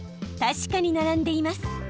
確かに並んでいます。